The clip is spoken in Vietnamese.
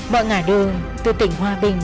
mọi ngã đường từ tỉnh hoa bình